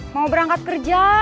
mau berangkat kerja